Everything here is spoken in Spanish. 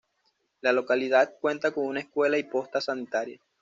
La localidad cuenta con una escuela y posta sanitaria.